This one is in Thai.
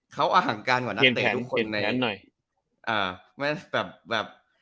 เขาอหังการกว่านักเตะทุกคน